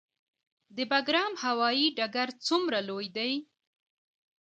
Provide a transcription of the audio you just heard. د بګرام هوايي ډګر څومره لوی دی؟